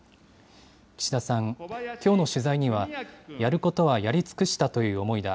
岸田さん、きょうの取材には、やることはやり尽くしたという思いだ。